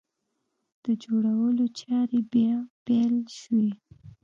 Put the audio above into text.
د جوړولو چارې بیا پیل شوې!